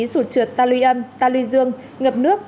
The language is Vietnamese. sụt trượt ta lưu dương ngập nước